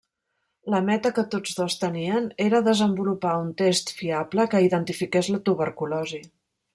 La meta que tots dos tenien era desenvolupar un test fiable que identifiqués la tuberculosi.